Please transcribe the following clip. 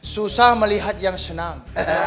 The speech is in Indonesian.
susah melihat yang senang